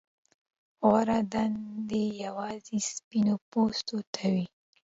غوره دندې یوازې سپین پوستو ته وې.